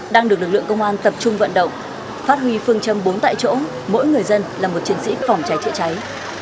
đang được lực lượng công an tập trung vận động phát huy phương châm bốn tại chỗ mỗi người dân là một chiến sĩ phòng cháy chữa cháy